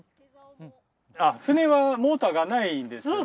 船はモーターがないんですね。